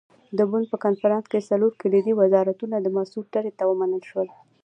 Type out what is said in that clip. د بُن په کنفرانس کې څلور کلیدي وزارتونه د مسعود ډلې ته ومنل شول.